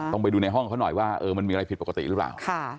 ไปดูในห้องเขาหน่อยว่ามันมีอะไรผิดปกติหรือเปล่า